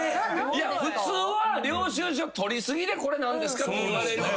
普通は領収書取り過ぎで「これ何ですか？」って言われるんが。